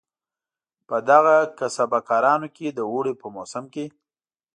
په دغو کسبه کارانو کې د اوړي په موسم کې.